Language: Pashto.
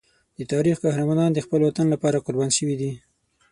د تاریخ قهرمانان د خپل وطن لپاره قربان شوي دي.